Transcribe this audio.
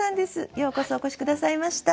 ようこそお越し下さいました。